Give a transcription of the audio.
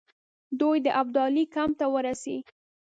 دوی د ابدالي کمپ ته ورسي.